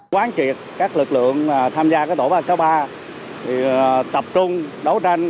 quán triệt các lực lượng tham gia tổ ba trăm sáu mươi ba tập trung đấu tranh